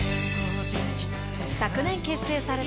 ［昨年結成されたばかり］